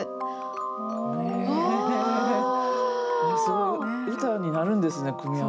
すごい歌になるんですね組み合わせ。